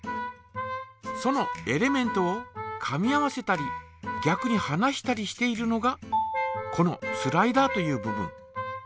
そのエレメントをかみ合わせたりぎゃくにはなしたりしているのがこのスライダーという部分。